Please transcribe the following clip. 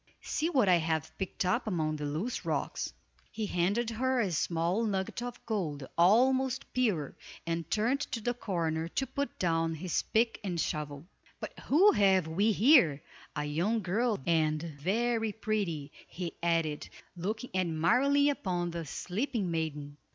See what I have picked up among the loose rocks!" He handed her a small nugget of gold, almost pure, and turned to the corner to put down his pick and shovel. "But who have we here? A young girl, and very pretty," he added, looking admiringly upon the sleeping maiden.